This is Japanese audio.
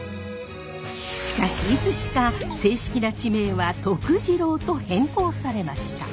しかしいつしか正式な地名は「Ｔｏｋｕｊｉｒｏ」と変更されました。